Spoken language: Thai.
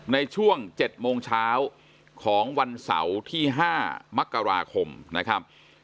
ในช่วง๗โมงเช้าของวันเสาร์ที่๕มกราคมนะครับ